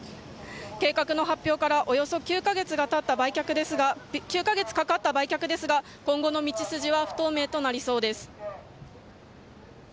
計画の発表からおよそ９カ月かかった売却ですが今後の道筋は不透明となりそうです。